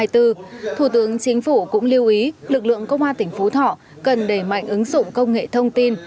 thủ tướng chính phủ cũng lưu ý lực lượng công an tỉnh phú thọ cần đẩy mạnh ứng dụng công nghệ thông tin